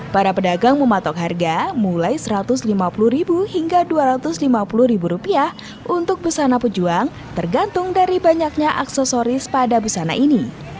para pedagang mematok harga mulai rp satu ratus lima puluh hingga rp dua ratus lima puluh untuk busana pejuang tergantung dari banyaknya aksesoris pada busana ini